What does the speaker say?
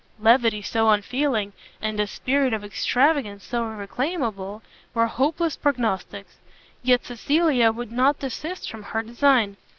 Levity so unfeeling, and a spirit of extravagance so irreclaimable, were hopeless prognostics; yet Cecilia would not desist from her design.